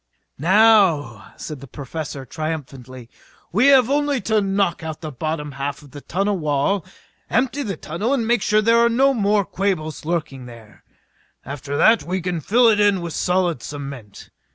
"Now," said the Professor triumphantly, "we have only to knock out the bottom half of the tunnel wall, empty the tunnel and make sure there are no more Quabos lurking there. After that we can fill it in with solid cement.